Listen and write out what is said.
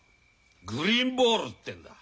グリーンボールってんだ。